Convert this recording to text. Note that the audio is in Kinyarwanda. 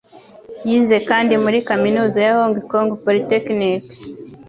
Yize kandi muri kaminuza ya Hong Kong Polytechnic.